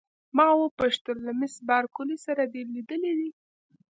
ما وپوښتل: له مس بارکلي سره دي لیدلي؟